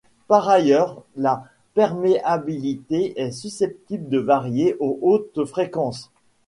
Par ailleurs, la perméabilité est susceptible de varier aux hautes fréquences.